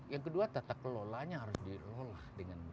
yang kedua tata kelola harus dilolah